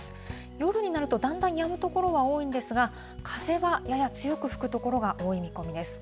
夜になると、だんだんやむ所が多いんですが、風はやや強く吹く所が多い見込みです。